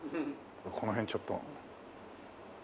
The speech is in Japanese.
この辺ちょっと。